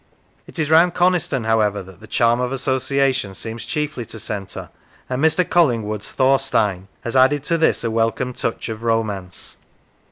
It is round Coniston, however, that the charm of association seems chiefly to centre, and Mr. Colling wood's " Thorstein " has added to this a welcome touch of romance.